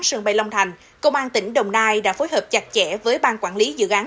sân bay long thành công an tỉnh đồng nai đã phối hợp chặt chẽ với bang quản lý dự án